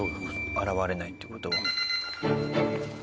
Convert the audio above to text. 現れないって事は。